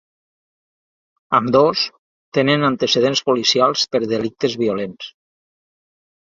Ambdós tenen antecedents policials per delictes violents.